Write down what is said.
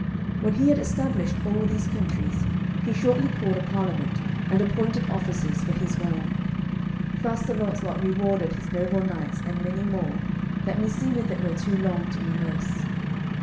When he had established all these countries, he shortly called a parliament, and appointed officers for his realm. Thus Sir Launcelot rewarded his noble knights and many more, that me seemeth it were too long to rehearse.